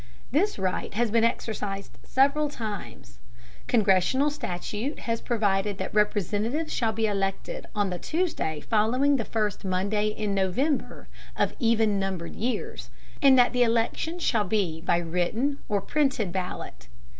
This right has been exercised several times. Congressional statute has provided that Representatives shall be elected on the Tuesday following the first Monday in November of even numbered years, and that the election shall be by written or printed ballot.